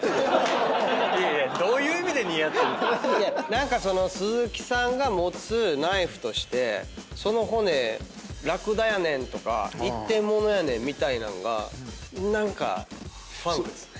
どういう意味で似合ってる⁉何か鈴木さんが持つナイフとしてその骨ラクダやねんとか一点物やねんみたいなんが何かファンクですね。